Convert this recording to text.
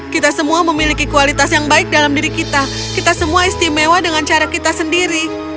kita semua memiliki kualitas yang baik dalam diri kita kita semua istimewa dengan cara kita sendiri